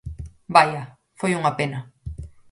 Vaia, foi unha pena.